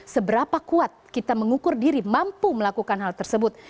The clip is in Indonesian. seberapa kuat kita mengukur diri mampu melakukan hal tersebut